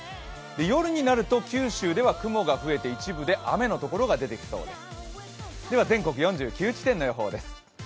夜になると、九州では雲が増えて一部で雨のところが増えてきそうです。